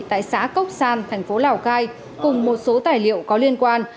tại xã cốc san thành phố lào cai cùng một số tài liệu có liên quan